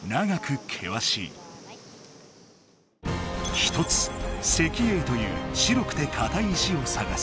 １つ石英という白くてかたい石を探す。